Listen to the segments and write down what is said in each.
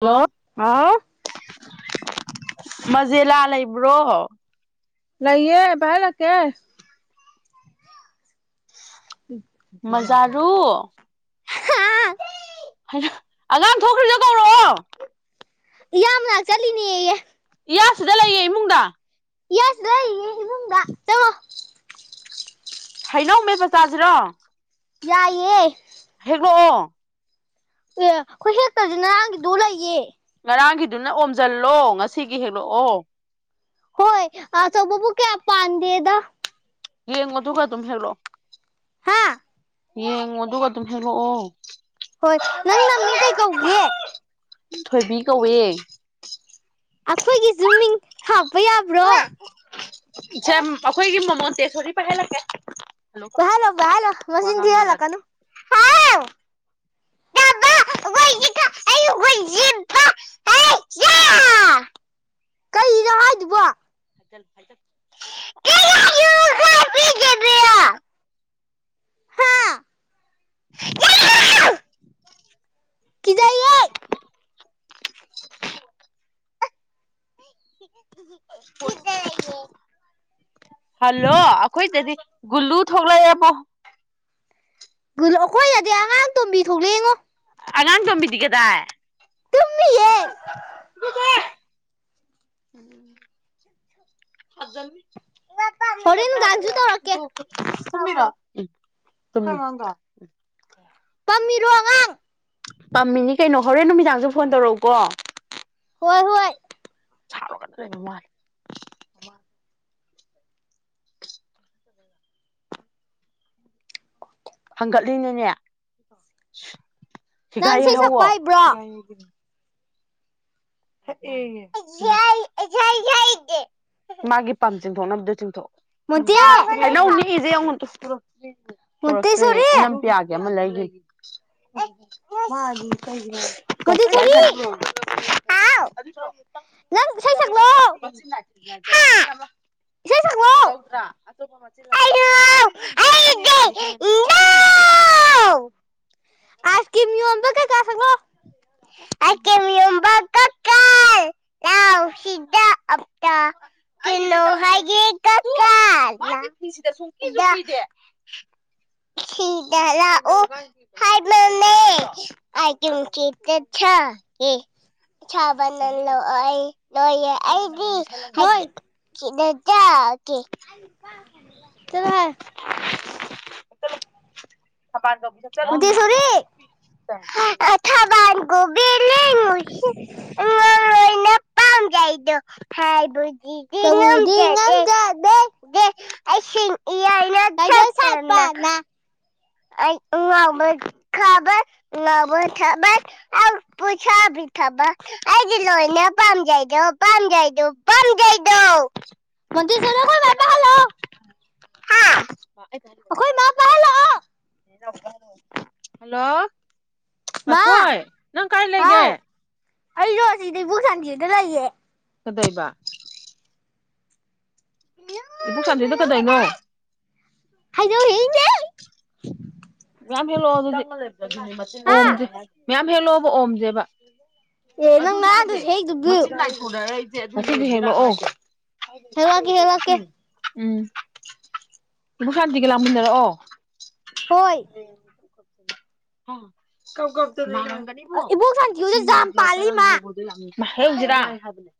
Hello ꯑꯣ ꯍꯥꯥꯎ ꯃꯖꯦꯂꯥ ꯂꯩꯕ꯭ꯔꯣ ꯂꯩꯥꯏꯌꯦ ꯄ ꯥꯏꯍꯟꯂꯛꯀꯦ ꯃꯖꯥꯔꯨ ꯇꯤ ꯍꯩꯃ ꯑꯉꯥꯡ ꯊꯣꯛꯈ꯭ꯔꯤꯗꯨ ꯀꯧꯔꯛꯑꯣ ꯢꯌꯥ ꯃꯅꯥꯛ ꯆꯠꯂꯤꯅꯦꯌꯦ ꯏꯌꯥꯁꯤꯗ ꯂꯩꯌꯦ ꯏꯃꯨꯡꯗ ꯏꯌꯥꯁꯤꯗ ꯂꯩꯌꯦꯌꯦ ꯏꯃꯨꯡꯗ ꯆꯪꯉꯣ ꯍꯩꯅꯧ ꯃꯦꯠꯄ ꯆꯥꯖꯤꯔꯣ ꯌꯥꯏꯌꯦ ꯍꯦꯛꯂꯛ ꯑꯣ ꯑꯦ ꯑꯩꯈꯣꯏ ꯍꯦꯛꯇ꯭ꯔꯖꯨ ꯅꯔꯥꯡꯒꯤꯗꯣ ꯂꯩꯌꯦ ꯉꯔꯥꯡꯒꯤꯗꯨꯅ ꯑꯣꯝꯖꯜꯂꯣ ꯉꯁꯤꯒꯤ ꯍꯦꯛꯂꯛꯑꯣ ꯍꯣꯏ ꯑꯆꯧꯕꯕꯨ ꯀꯌꯥ ꯄꯥꯟꯗꯦꯗ ꯌꯦꯡꯉꯣ ꯑꯗꯨꯒ ꯑꯗꯨꯝ ꯍꯦꯛꯂꯛꯑꯣ ꯍꯥ ꯌꯦꯡꯉꯣ ꯑꯗꯨꯒ ꯑꯗꯨꯝ ꯍꯦꯛꯂꯛꯑꯣ ꯍꯣꯏ ꯅꯪ ꯅꯃꯤꯡ ꯀꯩ ꯀꯧꯒꯦ ꯊꯣꯏꯕꯤ ꯀꯧꯋꯦ ꯑꯩꯈꯣꯏꯒꯤꯖꯨ ꯃꯤꯡ ꯍꯥꯞꯄ ꯌꯥꯕ꯭ꯔꯣ ꯏꯖꯝ ꯑꯩꯈꯣꯏꯒꯤ ꯃꯣꯃꯣꯟꯇꯦꯁꯣꯔꯤ ꯄꯥꯢ ꯍꯟꯂꯛꯀꯦ ꯄꯥꯏꯍꯟꯂꯣ ꯄꯥꯢꯍꯟꯂꯣ ꯃꯆꯤꯟ ꯊꯤꯍꯟ ꯂꯛꯀꯅꯣ ꯍꯥꯎ ꯇꯥꯕ [unintelligible] ꯀꯩꯅꯣ ꯍꯥꯏꯗꯨꯕꯣ [unintelligible] ꯍꯥ ꯀꯤꯖꯩꯌꯦ [unintelligible] [unintelligible] ꯍꯜꯂꯣ ꯑꯩꯈꯣꯏꯗꯗꯤ ꯒꯨꯂꯨ ꯊꯣꯛꯂꯛꯑꯦꯕꯣ ꯒꯨꯂꯨ ꯑꯩꯈꯣꯏꯗꯗꯤ ꯑꯉꯥꯡ ꯇꯣꯝꯕꯤ ꯊꯣꯛꯂꯛꯑꯦ ꯉꯣ ꯑꯉꯥꯡ ꯇꯣꯝꯕꯤꯗꯤ ꯒꯗꯥꯏ ꯇꯨꯝꯃꯤꯌꯦ [unintelligible] [unintelligible] ꯍꯣꯔꯦꯟꯅ ꯅꯨꯡꯗꯥꯡꯖꯨ ꯇꯧꯔꯛꯀꯦ ꯇꯨꯝꯃꯤ ꯎꯝ ꯇꯨꯝꯃꯤꯅꯦ [unintelligible] ꯄꯝꯃꯤꯔꯣ ꯑꯉꯥꯡ ꯄꯥꯝꯃꯤꯅꯤ ꯀꯩꯅꯣ ꯍꯣꯔꯦꯟ ꯅꯨꯃꯤꯗꯥꯡꯁꯨ ꯐꯣꯟ ꯇꯧꯔꯛꯎꯀꯣ ꯍꯣꯏ ꯍꯣꯏ ꯁꯥꯎꯔꯒꯗ ꯂꯩꯕ ꯃꯥꯟꯂꯦ ꯍꯪꯒꯠꯂꯤꯅꯅꯦ ꯍꯤꯒꯥ ꯅꯪ ꯏꯁꯩ ꯌꯩꯍꯧꯋꯣ ꯁꯛꯄ ꯍꯩꯕ꯭ꯔꯣ ꯍꯤꯒꯥ ꯌꯩꯒꯦ [unintelligible] ꯃꯥꯒꯤ ꯄꯝ ꯆꯤꯡꯊꯣꯛꯅꯕꯗꯨ ꯆꯤꯡꯊꯣꯛꯑꯣ ꯃꯣꯟꯇꯦ [unintelligible] ꯍꯩꯅꯧ ꯅꯤꯛꯏꯖꯦ ꯌꯦꯡꯉꯣꯇꯨ ꯄꯣꯔꯛꯇ꯭ꯔꯦꯌꯦ ꯃꯣꯟꯇꯦꯁꯣꯔꯤ ꯏꯅꯝ ꯄꯌꯥ ꯒꯤ ꯑꯃ ꯂꯩꯒꯤ ꯃꯣꯟꯇꯦꯁꯣꯔꯤ [unintelligible] ꯑꯗꯨꯏꯗꯣ ꯅꯪ ꯏꯁꯩ ꯁꯛꯂꯛ ꯑꯣ ꯍꯥ ꯏꯁꯩ ꯁꯛꯂꯛꯑꯣ ꯇꯧꯗ꯭ꯔꯥ ꯑꯇꯣꯞꯄ [unintelligible] ꯑ ꯎ ꯑꯥꯏꯁ ꯀꯤꯝ ꯌꯣꯅꯕꯥ ꯑꯥꯏꯁ ꯀꯤꯝ ꯌꯣꯟꯕꯥ ꯀꯥꯀꯥ ꯂꯥꯑꯣ ꯆꯂꯣ ꯍꯥꯏꯦ ꯀ ꯁꯤꯗ ꯁꯨꯡꯗꯦ ꯁꯤꯗꯥ ꯂꯛꯎ ꯍꯥꯏꯕꯅꯦ꯫ ꯑꯩꯗꯤ ꯅꯣꯏ ꯇꯀꯦ ꯑ ꯊꯄꯥꯟ ꯇ ꯃꯣꯟꯇꯦꯁꯣꯔꯤ ꯊꯕꯥꯟ ꯀꯧꯕꯤ꯫ ꯇꯥꯀꯇꯥꯀꯥ ꯄꯝꯖꯩꯗꯣ ꯍꯥꯏꯕꯨꯖꯤ꯫ ꯀꯕꯨꯗꯤ ꯉꯝꯖꯗꯦ꯫ ꯑꯦ ꯏꯁꯤꯡ ꯏꯌꯥꯏꯅꯥ ꯀꯩꯗ ꯁꯠꯄꯅꯥ꯫ ꯑꯩ ꯎꯕꯨ ꯈꯕꯦ ꯎꯥꯎꯕꯨ ꯊꯕꯔ ꯑ ꯄꯣꯁꯥꯕꯤ ꯊꯕ ꯑꯩꯗꯤ ꯂꯣꯏꯅꯦ ꯄꯥꯝꯖꯥꯏꯗꯣ ꯄꯥꯝꯖꯗꯣ ꯄꯝꯖꯥꯏꯗꯣ ꯃꯗꯤ ꯍꯥ ꯑꯩꯈꯣ ꯃꯥ ꯄꯥꯏꯍꯜꯂꯛꯑꯣ ꯍꯜꯂꯣ ꯃꯥ ꯃꯥꯊꯣꯏ ꯅꯪ ꯀꯥꯏ ꯂꯩꯒꯦ ꯍꯥꯎ ꯑꯩꯁꯨ ꯑꯁꯤꯗꯩ ꯏꯕꯨ ꯁꯥꯟꯇꯗꯨꯗ ꯂꯩꯌꯦ ꯀꯗꯤꯏꯕ ꯁꯥꯟꯗ ꯀꯥꯗꯣꯏꯅꯣ ꯍꯥꯏꯣ ꯏꯦ ꯃꯌꯥꯝ ꯍꯦꯛꯂꯛꯑꯣ ꯑꯗꯨꯗꯤ ꯍꯥ ꯑꯣꯝꯁꯦ ꯃꯌꯥꯝ ꯍꯦꯛꯂꯛꯑꯣꯕ ꯑꯣꯝꯁꯦꯕ꯫ ꯑꯦ ꯅꯪ ꯉꯔꯥꯡꯗꯁꯨ ꯍꯦꯛꯏꯗꯨꯕꯨ꯫ ꯊꯅꯔꯛꯏꯁꯦ ꯑꯗꯨ ꯁꯤꯅ ꯍꯦꯀꯂꯛꯑꯣ ꯍꯦꯛꯂꯛꯀꯦ ꯍꯦꯛꯂꯛꯀꯦ ꯎꯝ ꯕꯣꯛ ꯁꯥꯟꯇꯤꯒ ꯂꯥꯛꯃꯤꯟꯅꯔꯛꯑꯣ꯫ ꯍꯣꯏ꯫ ꯀ ꯏꯕꯣꯛ ꯁꯥꯟ ꯀ ꯄꯂꯤ ꯃꯥ ꯃꯍ ꯍꯧꯁꯤꯔꯥ ꯍꯥꯏꯕꯅꯦ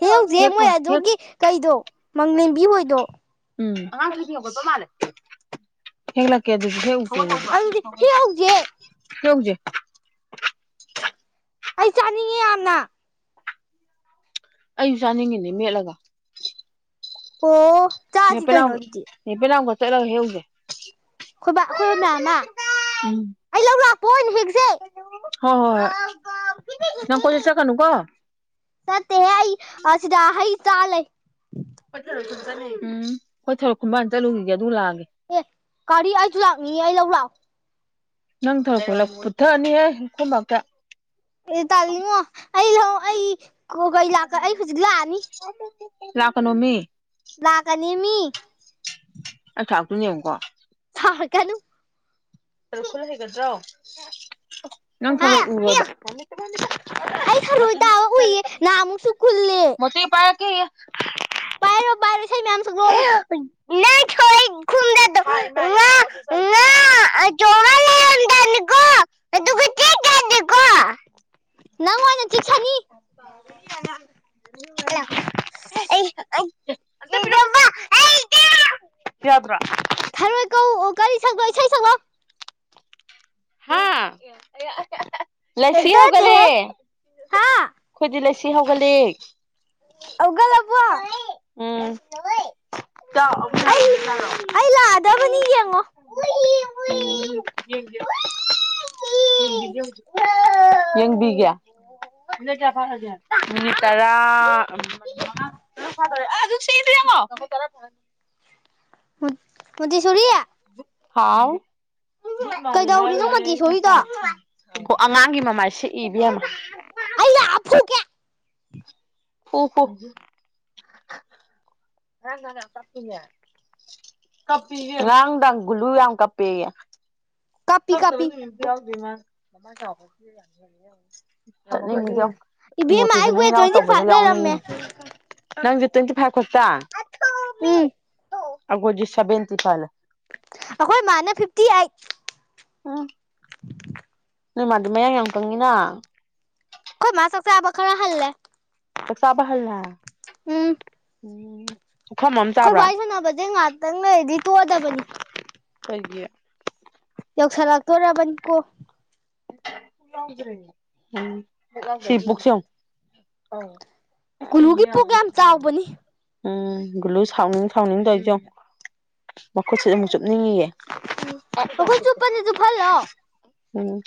ꯍꯦ ꯍꯧꯖꯤꯛ ꯃꯣꯏ ꯑꯗꯨꯒꯤ ꯀꯩꯗꯣ ꯃꯂꯦꯝꯕꯤ ꯍꯣꯏꯗꯣ ꯎꯝ ꯇꯣ ꯃꯥ ꯍꯦꯒꯂ ꯑꯗꯨꯗꯤ ꯀ ꯍꯦ ꯍꯧꯖꯤꯛ ꯍ ꯀꯛꯁꯦ ꯑꯩ ꯆꯥꯅꯤꯡꯉꯤ ꯌꯥꯝꯅ ꯑꯩꯁꯨ ꯆꯥꯅꯤꯡꯉꯤꯅꯦ ꯃꯦꯠꯂꯒ ꯑꯣ ꯆꯥꯁꯤ ꯅꯦꯄꯅꯥꯎ ꯀꯩꯅꯣ ꯑꯗꯨꯗꯤ ꯅꯦꯄꯦꯅꯥꯎꯒ ꯆꯠꯂꯒ ꯍ ꯍꯧꯁꯦ ꯣꯏ ꯑꯩꯈꯣꯏꯕ ꯃꯌꯥꯝ ꯑꯃ ꯎꯝ ꯑꯩ ꯂꯧ ꯂꯥꯛꯄ ꯑꯣꯏꯅ ꯍꯦꯛꯁꯩ ꯍꯣꯏ ꯍꯣꯏ ꯍꯣꯏ ꯅꯪ ꯀꯣꯏꯁꯤ ꯆ ꯀꯅꯨ ꯀꯣ ꯇꯠꯇꯍꯏ ꯑꯁꯤ ꯁꯤꯗꯥ ꯍ ꯇꯥ ꯂꯩ ꯍ ꯎꯝ ꯍꯣꯏ ꯊꯔꯛ ꯈꯨꯣꯡꯕꯥ ꯆꯠꯂꯨꯈꯤꯒꯦ ꯑꯗꯨꯝ ꯂꯥꯛꯑꯒꯦ ꯑꯦ ꯒꯥꯔꯤ ꯑꯩꯁꯨ ꯂꯥꯛꯅꯤꯡꯉꯤ ꯑꯩ ꯂꯧ ꯂꯥꯛꯑꯣ ꯅꯪ ꯊꯔꯛꯄꯂ ꯄꯨꯊꯛꯑꯅꯤꯍꯦ ꯀꯣꯕꯇ ꯇꯥꯜꯂꯤꯉꯣ ꯑꯩ ꯂ ꯑꯩ ꯑꯩ ꯍꯧꯖꯤꯛ ꯂꯥꯛꯑꯅꯤ [inaudible] ꯂꯥꯛꯀꯅꯧꯃꯤ ꯂꯅꯥꯒꯅꯤꯃꯤ ꯑꯩ ꯊꯥꯛꯇꯨ ꯌꯦꯡꯉꯨꯀꯣ ꯍ ꯀꯩꯅꯣ ꯜ ꯍꯒꯠꯗ꯭ꯔ ꯅꯪ ꯍꯥ ꯑꯩ ꯊꯔꯣꯏ ꯇꯥꯕ ꯎꯏꯌꯦ ꯅꯍꯥꯟꯃꯨꯛꯁꯨ ꯈꯨꯜꯂꯦ ꯃꯣꯇ ꯄ ꯀ ꯥꯏꯔꯁ ꯃꯌꯥꯝ ꯑꯃꯁꯁꯨꯒꯣꯣ ꯗꯗ ꯣꯣ ꯅꯪꯉꯥꯏꯅ ꯆꯤꯁꯅꯤ [unintelligible] ꯌꯥꯗ꯭ꯔꯥ ꯈꯔꯣꯏ ꯀꯧ ꯀꯔꯤ ꯁꯛꯕꯣ ꯏꯁꯩ ꯁꯛꯕꯣ ꯍꯥ ꯂꯁꯤ ꯀꯩꯝꯇ ꯍꯧꯒꯦ ꯅꯠꯇꯦꯍꯦ ꯍꯥ ꯑꯩꯈꯣꯏꯗꯤ ꯂꯩꯁꯤ ꯍꯧꯒꯠꯂꯛ ꯑꯣꯒ ꯂꯕ ꯎꯝ ꯎꯝ ꯑꯩ ꯑꯩ ꯂꯥꯛꯑꯗꯕꯅꯤ ꯌꯦꯡꯉꯣ ꯌꯦꯡꯕꯤꯒꯌꯥ ꯀꯌꯥ ꯐꯒꯅꯤ ꯇꯔꯥ ꯣ ꯇꯔ ꯐ ꯍꯧꯗꯤ ꯁꯨꯔꯌꯥ ꯍꯥꯎ ꯀꯩꯗꯧꯔꯤꯅꯣ ꯃꯣꯟꯇꯦꯁꯣꯔꯤꯗꯣ ꯑꯣ ꯑꯉꯥꯡꯒꯤ ꯃꯃꯥꯏꯁꯦ ꯏꯕ ꯌꯥꯝꯃ ꯊꯦ ꯍ ꯍ ꯀꯄ ꯀꯄ ꯔꯪꯗꯪꯒꯂꯨ ꯌꯥꯝꯥꯡ ꯀꯞꯄꯦꯒ ꯀꯥꯞꯄꯤ ꯀꯔ ꯀꯥꯞꯄꯤ ꯃ ꯏꯕꯦꯝꯃ ꯃꯣꯇꯤꯚꯦ ꯑꯩ ꯋꯦꯠ ꯌꯥꯎ ꯇ꯭ꯋꯦꯟꯇꯤ ꯇꯧꯕꯁꯦ ꯐꯥꯏꯚ ꯂꯩꯔꯝꯃꯦ ꯌꯥꯎꯅꯤꯡꯉꯤ ꯅꯪꯁ ꯇ꯭ꯋꯦꯟꯇꯤ ꯐꯥꯏꯚ ꯈꯛꯇ ꯇ ꯑꯒꯣꯖꯤꯁꯕꯦꯟꯇꯤ ꯐꯥꯜ ꯑꯩꯈꯣꯏ ꯃꯥꯅ ꯐꯤꯞꯇꯤ ꯑꯩꯠ ꯎ ꯅꯣꯏ ꯃꯥꯗꯤ ꯃꯌꯥꯡ ꯌꯥꯝ ꯀꯪꯉꯤꯅ ꯑꯩꯣꯏ ꯃꯥ ꯆꯥꯛꯁꯦ ꯑꯕ ꯈꯔ ꯍꯜꯂꯦ ꯇꯁꯥꯕ ꯍꯜꯂ ꯑꯦ ꯎꯝ ꯑꯩꯈꯣꯏꯚꯏꯁꯨꯅꯥꯕꯁꯦ ꯉꯥꯛꯇꯪꯗꯤ ꯇꯨꯗꯕꯅꯤ ꯍꯥꯏꯦ ꯌꯧ ꯁꯥ ꯂꯥꯛ ꯇꯧꯣꯔꯥꯕꯟꯀꯣ ꯝ ꯁꯤꯁꯨ ꯀꯨꯂꯨꯒꯤ ꯄꯨꯛ ꯌꯥꯝ ꯆꯥꯎꯕꯅꯤ ꯎꯝ ꯒꯨꯂꯨ ꯁꯥꯎꯅꯤꯡ ꯁꯥꯎꯅꯤꯡꯗꯣ ꯑꯩꯖꯣ ꯃꯈꯨꯠꯁꯤ ꯑꯃꯨꯛ ꯆꯨꯞꯅꯤꯡꯉꯌꯦ ꯎ ꯍꯈꯣꯏ ꯆꯨꯞꯄꯅꯤ ꯑꯗꯨ ꯐꯜꯣ ꯎꯝ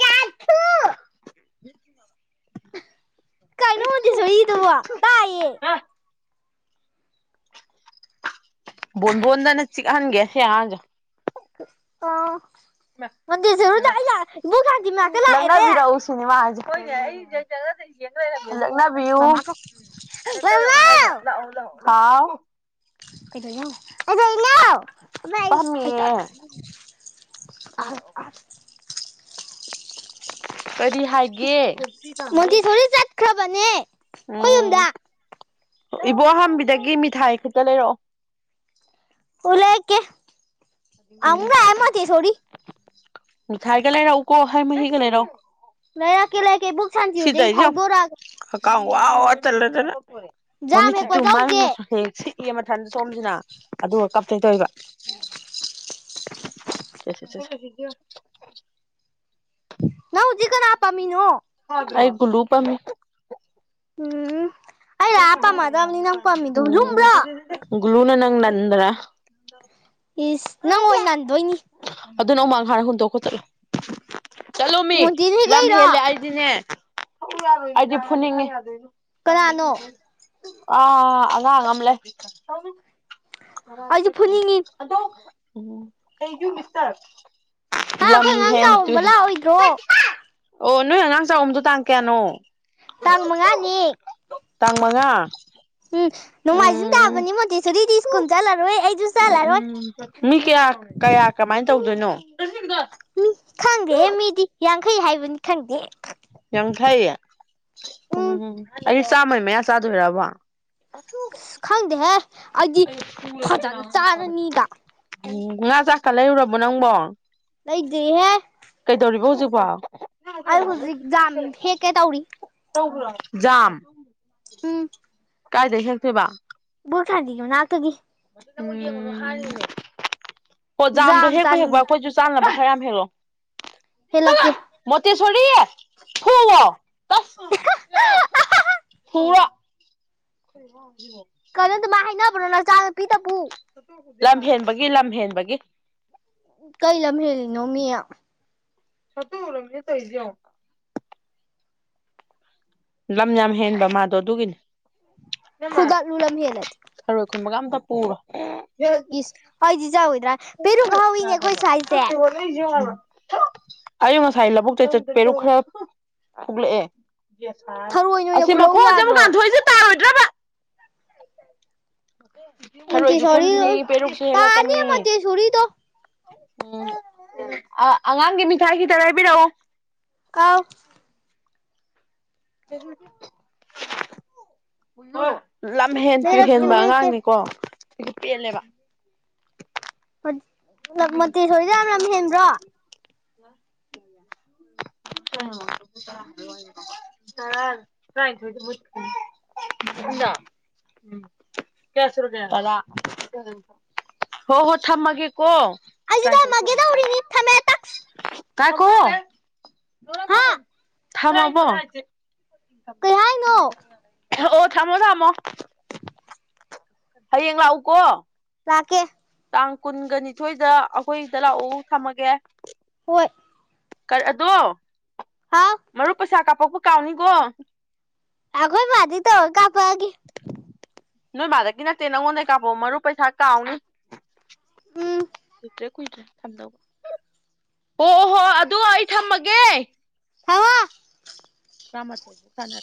ꯌꯥ ꯊ ꯀꯩꯅꯣꯗꯤ ꯁꯏꯗꯨꯕ ꯇꯥꯏꯌꯦ ꯑ ꯣꯟꯕꯣꯟꯗꯅ ꯆꯤꯛꯍꯥꯟꯒꯦꯁꯦ ꯌꯥꯖ ꯑ ꯃꯟꯗꯤꯔꯁ ꯏ ꯈꯥꯗꯤꯃꯀ ꯂꯥꯛꯑꯦꯅꯦ ꯁꯤꯅꯦꯃꯥꯁꯤ ꯑꯩꯣꯏ ꯃꯃꯥ ꯀꯧ ꯑꯩꯪ ꯃꯃꯥꯎ ꯌꯦꯡꯣꯏꯔꯝꯃꯦꯅꯕ ꯍꯥꯎ ꯀꯩꯗꯧꯋꯤꯅꯣ ꯑ ꯐꯝꯃꯤꯌꯦ ꯑ ꯀꯔꯤ ꯍꯥꯏꯒꯦ ꯃꯣꯟꯇꯦꯁꯣꯔꯤ ꯆꯠꯈ꯭ꯔꯕꯅꯦ ꯑꯩꯈꯣꯏ ꯌꯨꯝꯗ ꯎꯝ ꯏꯕꯣꯍꯥꯕꯤꯗꯒꯤ ꯃꯤꯊꯥꯏ ꯈꯛꯇ ꯂꯩꯔꯛꯑꯣ ꯎꯂꯦꯛ ꯀꯦ ꯑꯗꯨ ꯌꯥꯝ ꯑꯦꯃꯊꯇꯩ ꯁꯔꯤ ꯊꯥꯏꯒ ꯂꯩꯔꯛꯎꯀꯣ ꯍꯩ ꯃꯍꯤꯒ ꯂꯩꯔꯛꯎ ꯂꯩꯔꯛꯀꯦ ꯂꯩꯔꯛꯀꯦ ꯕꯨꯛ ꯁꯥꯟꯖꯈꯤꯕꯗꯒꯤ ꯐꯥꯎꯗꯣꯔꯛꯑꯒ ꯀꯥꯡ ꯋꯥ ꯋꯥ ꯆꯜꯂꯗꯅ ꯖꯥꯝ ꯃꯃꯤꯠ ꯍꯦꯛꯄ ꯆꯤꯠꯇꯨ ꯆꯧꯁꯦ ꯃꯥꯡꯉꯁꯨ ꯍꯦꯛꯁꯤ ꯏ ꯃꯊꯟꯗ ꯁꯣꯝꯁꯤꯅ ꯑꯗꯨꯒ ꯀꯞꯇꯅ ꯇꯧꯕ [inaudible] ꯂꯖꯤ ꯀꯅꯥ ꯍꯥꯄꯥꯃꯤꯅꯨ ꯑꯩ ꯒꯂꯨ ꯄꯃꯤ ꯎꯝ ꯑꯩ ꯂꯥꯛꯑ ꯄꯥꯝꯃꯗꯕꯅꯤ ꯅꯪ ꯄꯥꯝꯃꯤꯗꯣ ꯂꯨꯝꯕ꯭ꯔꯣ ꯎ ꯒ꯭ꯂꯨꯅ ꯅꯪ ꯅꯟꯗ꯭ꯔ ꯏꯁ ꯅꯪ ꯑꯣꯏ ꯅꯥꯟꯗꯣꯏꯅꯤ ꯑꯗꯨꯅ ꯑꯃꯃꯥꯡ ꯍꯥꯟꯅ ꯍꯨꯟꯗꯣꯛ ꯈꯣꯠꯇꯂꯣ ꯆꯠꯂꯣ ꯃꯤ ꯃꯣꯟꯇꯤꯅ ꯍꯦꯛ ꯂꯝ ꯂꯩꯔꯣ ꯍꯦꯜꯂꯦ ꯗꯤꯅꯦ ꯑꯩꯗꯤ ꯐꯨꯅꯤꯡꯉꯤ ꯀꯅꯥꯅꯣ ꯑ ꯑꯉꯂ ꯑꯩꯁꯨ ꯐꯨꯅꯤꯡꯉꯤ ꯑꯗꯣ ꯎ ꯀꯩ ꯌꯨ ꯃꯤꯁꯇꯔ ꯍꯥ ꯂꯝ ꯑꯩꯈꯣꯏ ꯑꯉꯥꯡ ꯍꯦꯟ ꯇꯨ ꯆꯥꯎꯝꯕ ꯂꯥꯛꯑꯣꯏꯗ꯭ꯔꯣ ꯑꯣ ꯅꯣꯏ ꯑꯉꯥꯡ ꯆꯥꯛꯔꯝꯗꯣ ꯇꯥꯡ ꯀꯌꯥꯅꯣ ꯇꯥꯡ ꯃꯉꯥꯅꯤ ꯇꯥꯡꯥꯡꯃꯉ ꯎꯝ ꯅꯣꯡꯃꯥꯏꯖꯤꯡ ꯇꯥꯕꯅꯤ ꯃꯣꯇꯤ ꯁꯔꯤꯗꯤ ꯁ꯭ꯀꯨꯜ ꯆꯠꯂꯔꯣꯏ ꯑꯩꯁꯨ ꯆꯠꯂꯔꯣꯏ ꯎ ꯃꯤ ꯀꯌꯥ ꯀꯌꯥ ꯀꯃꯥꯏꯅ ꯇꯧꯗꯣꯏꯅꯣ ꯁꯤꯡꯒ ꯃꯤ ꯈꯪꯗꯦꯦ ꯃꯤꯗꯤ ꯌꯥꯡꯈꯩ ꯍꯥꯏꯕꯅꯤ ꯈꯪꯗꯦ ꯌꯥꯡ ꯐꯩꯌꯦ ꯎꯝ ꯎꯝꯝ ꯑꯩ ꯆꯥꯝꯃꯩ ꯃꯌꯥ ꯆꯥꯗꯣꯏꯔꯕꯣ ꯑꯁ ꯈꯪꯗꯦꯍꯦ ꯑꯩꯗꯤ ꯐꯖꯅ ꯆꯥꯔꯅꯤꯗ ꯎ ꯉꯥꯖꯈꯂꯦꯔꯨꯔꯕꯣ ꯅꯪꯕꯣ ꯅꯣꯏꯗ꯭ꯔꯤꯍꯦ ꯀꯩꯗꯧꯔꯤꯕꯣ ꯍꯧꯖꯤꯛꯐꯥꯎ ꯑ ꯍꯧꯖꯤꯛ ꯝ ꯍꯦꯛ ꯀꯦ ꯇꯧꯔꯤ ꯌꯥꯝ ꯎꯝ ꯀꯥꯏꯗꯩ ꯍꯦꯛꯇꯦꯕ ꯕꯨ ꯈꯥꯟꯗꯤꯈꯤꯕꯅꯅꯥꯇꯗꯤ ꯑꯣꯣꯖꯥꯝꯗꯣ ꯖꯥꯝ ꯍꯦꯛꯄ ꯍꯦꯛꯄ ꯆꯥꯅꯤꯡꯉꯤ ꯑꯩꯈꯣꯏꯁꯨ ꯆꯥꯅꯕ ꯈꯔ ꯌꯥꯝ ꯍꯦꯜꯂꯛꯑꯣ ꯍꯂ ꯀꯦ ꯃꯣꯠꯇ ꯁꯔꯤ ꯊ ꯐꯨꯔ ꯀꯜꯂ ꯑꯗꯨ ꯃꯥ ꯑꯕꯅꯣ ꯅ ꯆꯥꯗ ꯄꯤ ꯇꯄꯨ ꯂꯝ ꯍꯦꯟꯕꯒꯤ ꯂꯝ ꯍꯦꯟꯕꯒꯤ ꯀꯩ ꯂꯝ ꯍꯦꯅꯣ ꯃꯤꯌꯥ ꯁꯠꯇꯨ ꯔꯝꯃꯤ ꯇ ꯍꯖ ꯂꯝ ꯌꯥꯝ ꯍꯦꯟꯕ ꯃꯥꯗꯣ ꯑꯗꯨꯒꯤꯅꯦ ꯍꯗꯥ ꯂꯨꯂꯃꯤ ꯍꯂ ꯈꯔꯣꯏ ꯈꯨꯝꯟꯕꯒ ꯑꯝꯇ ꯄꯨꯔꯣ ꯏꯁ ꯑꯩꯗꯤ ꯆꯥꯔꯣꯏꯗ꯭ꯔꯥ ꯄꯦꯔꯨꯛ ꯍꯧꯋꯤꯅꯦ ꯑꯩꯈꯣꯏ ꯁ꯭ꯋꯥꯏꯁꯦ [unintelligible] ꯑꯌ ꯉꯁꯥꯏ ꯂꯧꯕꯨꯛꯇ ꯆꯠ ꯄꯦꯔꯨꯛ ꯈꯔ ꯐꯨꯛꯂꯛꯑꯦ ꯊꯔꯣꯏ ꯑꯣꯏꯅ ꯑꯁꯤ ꯈꯨꯜꯍꯧ ꯃꯈꯣꯟꯁꯨꯛ ꯌꯥꯗ꯭ꯔꯣ ꯀꯥꯟꯊꯣꯛꯏꯁꯦ ꯇꯥꯔꯣꯏꯗ꯭ꯔꯕ [unintelligible] ꯊꯔꯣꯏꯁꯨ ꯃꯣꯟꯇꯦꯁꯣꯔꯤ ꯈꯨꯜꯅꯤ ꯄꯦꯔꯨꯛꯁꯨ ꯇꯥꯅꯤ ꯍꯦꯜꯂꯛꯀꯅꯤ ꯃꯣꯟꯇꯦꯁꯣꯔꯤꯗꯣ ꯎꯝ ꯑꯉꯥꯡꯒꯤ ꯃꯤꯊꯥꯏ ꯈꯤꯇ ꯂꯩꯕꯤꯔꯛꯑꯣ ꯀꯥꯎ [inaudible] ꯂꯝ ꯍꯦꯟ ꯇꯨ ꯂꯩꯔꯛꯀꯦ ꯍꯦꯟꯕ ꯂꯩꯔꯛꯀꯦ ꯑꯉꯥꯡꯅꯤꯀꯣ ꯁꯤꯁꯨ ꯄꯦꯜꯂꯦꯕ [unintelligible] ꯂꯝ ꯌꯥꯝ ꯍꯦꯟꯕ꯭ꯔꯣ [inaudible] [unintelligible] ꯇꯔꯥ ꯇꯔꯥꯅꯤꯊꯣꯢ [unintelligible] ꯎꯝ ꯀꯌꯥꯁꯨꯔꯒꯦ ꯇꯔꯥ ꯍꯣ ꯍꯣ ꯊꯝꯃꯒꯦꯀꯣ ꯑꯩꯁꯨ ꯊꯝꯃꯒꯦ ꯇꯧꯔꯤꯅꯤ ꯊꯝꯃꯦ ꯇꯛꯁ ꯀꯥꯏ ꯀꯣ ꯍꯥ ꯊꯝꯃꯕꯣ ꯀꯩ ꯍꯥꯏꯅꯣ ꯑꯣ ꯊꯃꯣ ꯊꯃꯣ ꯍꯌꯦꯡ ꯂꯥꯛꯎꯀꯣ ꯂꯥꯛꯀꯦ ꯇꯥꯡ ꯀꯨꯟꯒ ꯅꯤꯊꯣꯏꯗ ꯑꯩꯈꯣꯏꯗ ꯂꯥꯛꯎ ꯊꯝꯃꯒꯦ ꯍꯣꯏ ꯑꯗꯣ ꯍꯥꯎ ꯃꯔꯨꯞ ꯄꯩꯁꯥ ꯀꯥꯞꯄꯛꯄ ꯀꯥꯎꯅꯤꯀꯣ ꯑꯈꯣꯏ ꯃꯥꯗꯤ ꯇꯧꯔ ꯀꯥꯄꯛꯑꯒꯦ ꯅꯣꯏ ꯃꯥꯗꯒꯤ ꯅꯠꯇꯦ ꯅꯪꯉꯣꯟꯗꯩ ꯀꯥꯝꯄꯛꯑꯣ ꯃꯔꯨꯞ ꯄꯩꯁꯥ ꯀꯥꯎꯅꯤ ꯎꯝ ꯀꯨꯏꯇ꯭ꯔꯦ ꯀꯨꯏꯗ꯭ꯔꯦ ꯑꯣ ꯍꯣ ꯑꯗꯨ ꯑꯩ ꯊꯝꯃꯒꯦ ꯊꯝꯃꯣ ꯇ꯭ꯔꯃꯥ ꯊꯣꯏ [unintelligible]